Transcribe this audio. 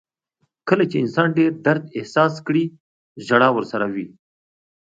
• کله چې انسان ډېر درد احساس کړي، ژړا ورسره وي.